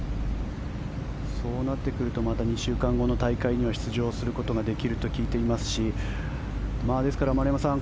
そうなってくるとまた２週間後の大会には出場することができると聞いていますしですから丸山さん